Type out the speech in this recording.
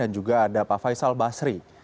dan juga ada pak faisal basri